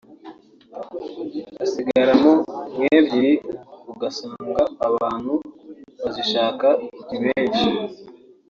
hasigaramo nk’ebyiri ugasanga abantu bazishaka ni benshi